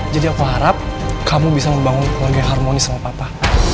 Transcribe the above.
jadi aku harap kamu bisa membangun keluarga yang harmonis sama papa